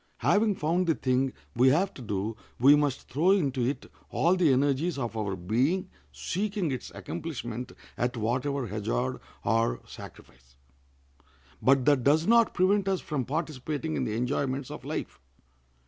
Having found the thing we have to do we must throw into it all the energies of our being, seeking its accomplishment at whatever hazard or sacrifice. But that does not prevent us from participating in the enjoyments of life.